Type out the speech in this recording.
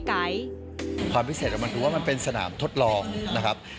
ความพิเศษของมันคือว่ามันเป็นสนามทดลองนะครับ